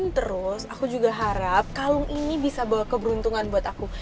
terus aku juga harap kalung ini bisa bawa keberuntungan buat aku